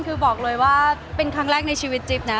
คือบอกเลยว่าเป็นครั้งแรกในชีวิตจิ๊บนะ